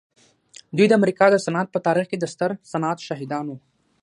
دوی د امریکا د صنعت په تاریخ کې د ستر صنعت شاهدان وو